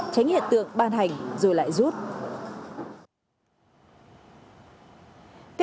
tránh hiện tượng ban hành rồi lại rút